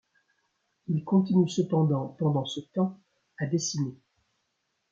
Il continue cependant pendant ce temps à dessiner.